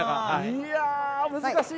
いやー、難しい。